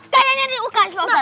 kayaknya di uks pak ustadz